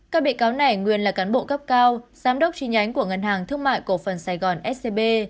các bị cáo này nguyên là cán bộ cấp cao giám đốc tri nhánh của ngân hàng thương mại cổ phần sài gòn scb